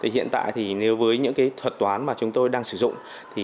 hiện tại thì nếu với những thuật toán mà chúng tôi đang sử dụng